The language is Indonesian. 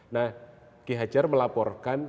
nah ki hajar melaporkan